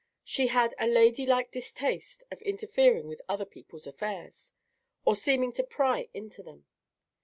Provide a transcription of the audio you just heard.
She had a lady like distaste of interfering with other people's affairs or seeming to pry into them.